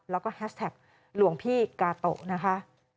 แล้วก็แฮชแท็กหลวงพี่กาโตะนะคะ